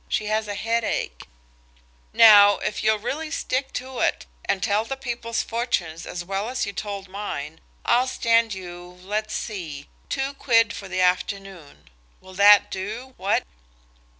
She has a headache. Now, if you'll really stick to it, and tell the people's fortunes as well as you told mine, I'll stand you–let's see–two quid for the afternoon. Will that do? What?"